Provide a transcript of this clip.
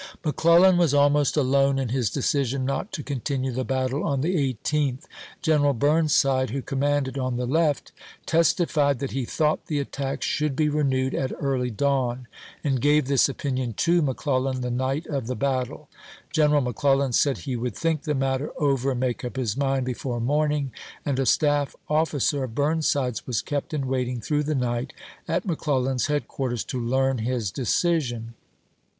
McClellan was almost alone in his decision not to Sept., 1862. continue the battle on the 18th. Gleneral Burnside, who commanded on the left, testified that he :ES?nf, thought the attack should be renewed at early cc^mittee dawu, and gave this opinion to McCleUan the night o^theVlr. of the battle.^ General McClellan said he would think the matter over and make up his mind before morning, and a staff officer of Burn side's was kept in waiting through the night at McClellan's head quarters to learn his decision.